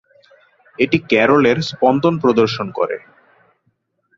এটি কেরলের স্পন্দন প্রদর্শন করে।